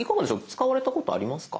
使われたことありますか？